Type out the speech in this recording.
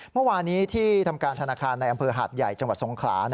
เมื่อวานี้ที่ทำการธนาคารในอำเภอหาดใหญ่จังหวัดสงขลา